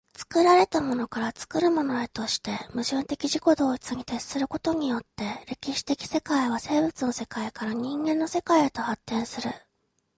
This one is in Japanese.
作られたものから作るものへとして、矛盾的自己同一に徹することによって、歴史的世界は生物の世界から人間の世界へと発展する。